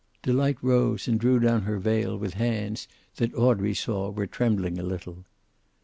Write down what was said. Delight rose and drew down her veil with hands that Audrey saw were trembling a little.